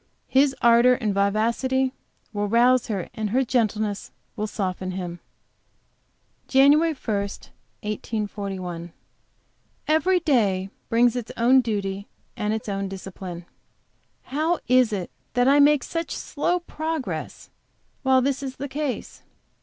His ardor and vivacity will rouse her, and her gentleness will soften him. JAN. 1, 1841. Every day brings its own duty and its own discipline. How is it that I make such slow progress while this is the case?